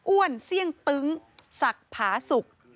เสี่ยงตึ้งศักดิ์ผาสุก